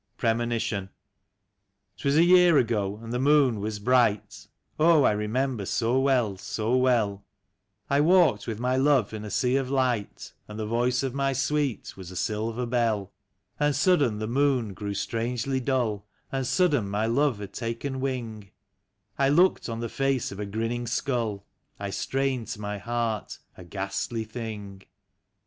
80 PEEMONITION. 'TwAS a year ago and the moon was bright (Oh, I remember so well, so well), I walked with my love in a sea of light. And the voice of my sweet was a silver bell. And sudden the moon grew strangely dull. And sudden my love had taken wing ; I looked on the face of a grinning skull, I strained to my heart a ghastly thing.